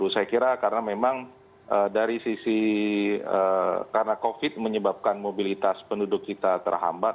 saya kira karena memang dari sisi karena covid menyebabkan mobilitas penduduk kita terhambat